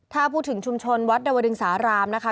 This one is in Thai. ถ้าพูดถึงชุมชนวัดดวดึงสารามนะคะ